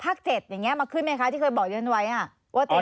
ภาคเจ็ดอย่างนี้มาขึ้นไหมคะที่เคยบอกเยี่ยมว่าเตรียมไว้